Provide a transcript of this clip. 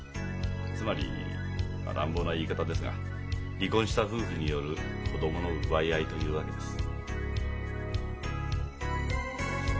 つまり乱暴な言い方ですが離婚した夫婦による子供の奪い合いというわけです。